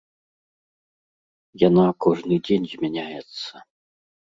Яна кожны дзень змяняецца.